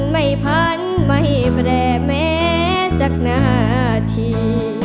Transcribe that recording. ไม่พันไม่แบ่แหมสักนาที